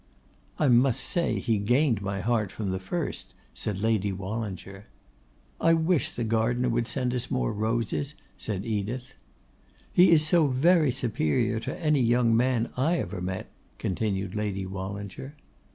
'I must say he gained my heart from the first,' said Lady Wallinger. 'I wish the gardener would send us more roses,' said Edith. 'He is so very superior to any young man I ever met,' continued Lady Wallinger.